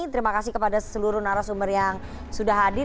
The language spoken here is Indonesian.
terima kasih kepada seluruh narasumber yang sudah hadir